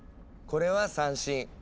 これは三線。